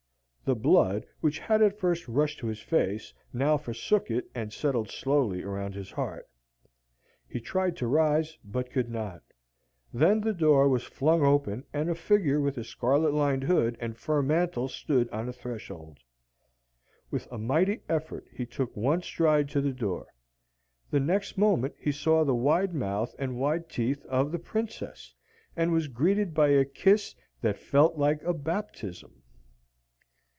The blood which had at first rushed to his face now forsook it and settled slowly around his heart. He tried to rise, but could not. Then the door was flung open, and a figure with a scarlet lined hood and fur mantle stood on the threshold. With a mighty effort he took one stride to the door. The next moment he saw the wide mouth and white teeth of the Princess, and was greeted by a kiss that felt like a baptism.